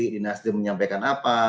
di nasdem menyampaikan apa